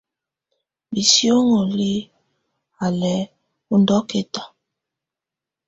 Bisióŋgoli á lɛ ɔ ndɔkɛta.